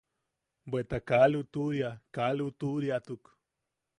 Bweta kaa lutuʼuria, kaa lutuʼuriatuk.